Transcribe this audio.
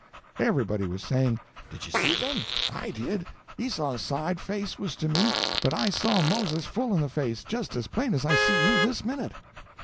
Everybody was saying, "Did you see them?—I did—Esau's side face was to me, but I saw Moses full in the face, just as plain as I see you this minute!"